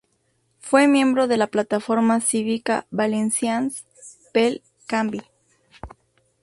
Fue miembro de la plataforma cívica Valencians pel canvi.